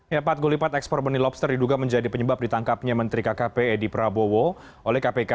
ya pat gulipat ekspor benih lobster diduga menjadi penyebab ditangkapnya menteri kkp edi prabowo oleh kpk